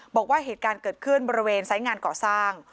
บอกว่าเหตุการณ์เกิดขึ้นบริเวณไซส์งานก่อสร้าง